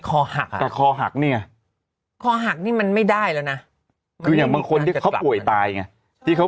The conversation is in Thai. คอหักอ่ะแต่คอหักนี่ไงคอหักนี่มันไม่ได้แล้วนะคืออย่างบางคนที่เขาป่วยตายไงที่เขา